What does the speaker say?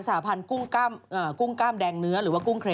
สวัสดีค่าข้าวใส่ไข่